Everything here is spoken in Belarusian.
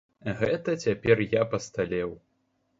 Гэта цяпер я пасталеў.